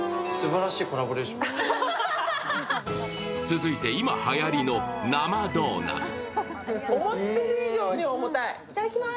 続いて今はやりの生ドーナツ。